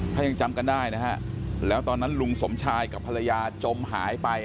ถ้ายังจำกันได้นะฮะแล้วตอนนั้นลุงสมชายกับภรรยาจมหายไป